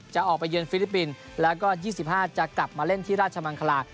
จะออกไปเยือนฟิลิปปินส์แล้วก็๒๕จะกลับมาเล่นที่ราชมังคลา